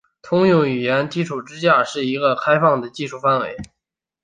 通用语言基础架构是一个开放的技术规范。